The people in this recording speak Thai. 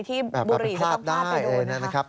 ที่บุหรี่จะต้องพลาดไปโดนนะครับ